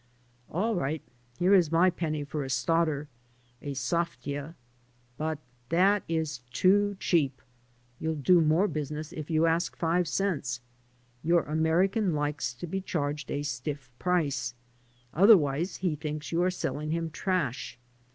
All right, here is my penny for a starter — a saftia. But that is too cheap. j/ You'll do more business if you ask five cents. Your i American likes to be charged a stiff price; otherwise he \ ihinks you are selling him trash.